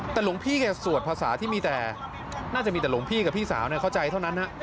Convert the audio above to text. แต่หลวงพี่แกสวดภาษาที่มีแต่น่าจะมีแต่หลวงพี่กับพี่สาวเข้าใจเท่านั้น